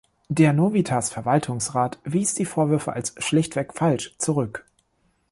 Der Novitas-Verwaltungsrat wies die Vorwürfe als „schlichtweg falsch“ zurück.